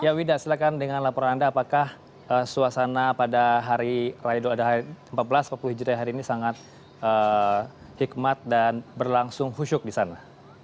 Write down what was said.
ya wida silakan dengan laporan anda apakah suasana pada hari raya idul adha seribu empat ratus empat puluh hijri hari ini sangat hikmat dan berlangsung husyuk di sana